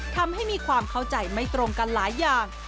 ทำให้มีความเข้าใจไม่ตรงกันหลายอย่าง